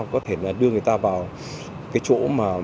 có thể đưa người ta vào cái chỗ